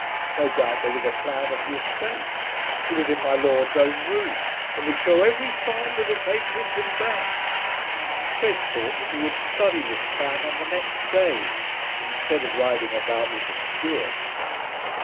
No doubt there was a plan of the estate. It was in "My Lord's" own room, and would shew every farm with its acreage and bounds. Fred thought that he would study this plan on the next day instead of riding about with the steward.